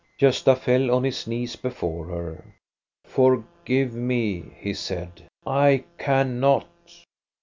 Gosta fell on his knees before her. Forgive me," he said, " I cannot."